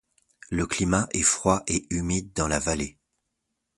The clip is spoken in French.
Le climat est froid et humide dans la vallée.